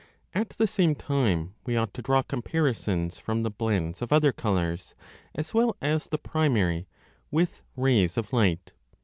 At the same time we ought to draw comparisons from the blends of other colours, as well as the primary, with rays of light.